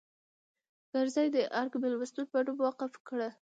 کرزي د ارګ مېلمستون په نوم وقف کړه.